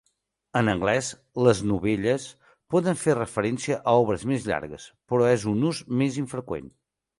En anglès, les "novellas" poden fer referència a obres més llargues, però és un ús més infreqüent.